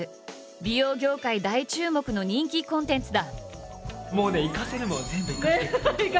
美容業界大注目の人気コンテンツだ。